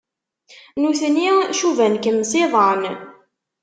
Nutni cuban-kem s iḍan.